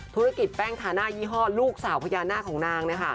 ธุรกิจแป้งทาหน้ายี่ห้อลูกสาวพญานาคของนาง